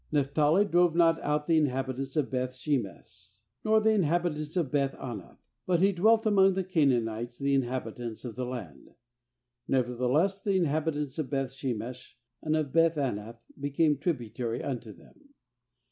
^Naphtali drove not out the in habitants of Beth sheme.sh, nor the in habitants of Beth anath; but he dwelt among the Canaanites, the inhabitants of the land; nevertheless the inhabit ants of Beth shemesh and of Beth anath became tributary unto them.